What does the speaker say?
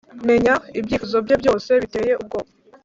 menya ibyifuzo bye byose biteye ubwoba